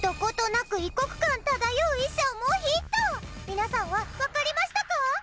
皆さんはわかりましたか？